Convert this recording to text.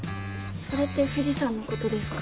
それって藤さんのことですか？